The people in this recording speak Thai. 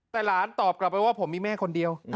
แต่หลานตอบกลับไปว่าผมมีแม่คนเดียว